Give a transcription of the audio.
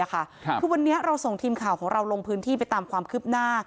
คือวันนี้เราส่งทีมข่าวของเราลงพื้นที่ไปตามความคืบหน้า